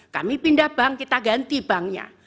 kami pindah bank kita ganti banknya